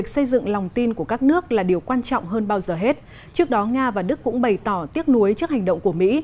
trong khi đó nga và đức cũng bày tỏ tiếc nuối trước hành động của mỹ